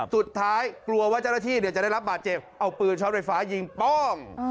กลัวว่าเจ้าหน้าที่จะได้รับบาดเจ็บเอาปืนช็อตไฟฟ้ายิงป้อง